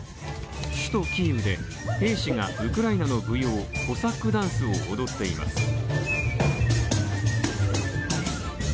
首都キーウで兵士がウクライナの舞踊コサックダンスを踊っています。